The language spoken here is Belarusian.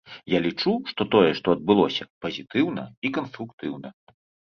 Я лічу, што тое, што адбылося, пазітыўна і канструктыўна.